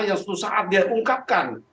yang suatu saat dia ungkapkan